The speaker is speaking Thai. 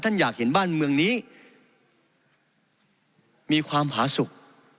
อยากเห็นบ้านเมืองนี้มีความผาสุข